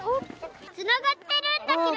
つながってるんだけど。